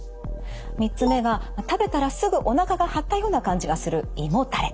３つ目が食べたらすぐおなかが張ったような感じがする胃もたれ。